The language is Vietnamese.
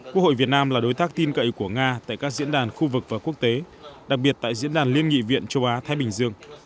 quốc hội việt nam là đối tác tin cậy của nga tại các diễn đàn khu vực và quốc tế đặc biệt tại diễn đàn liên nghị viện châu á thái bình dương